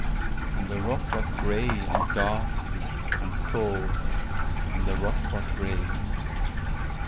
And the rock was gray, and ghastly, and tall,—and the rock was gray.